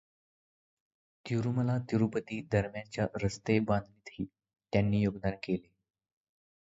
तिरुमला तिरुपती दरम्यानच्या रस्तेबांधणीतहेए त्यांनी योगदान केले.